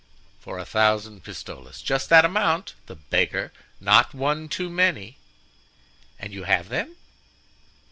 "For a thousand pistoles—just that amount, the beggar; not one too many." "And you have them?"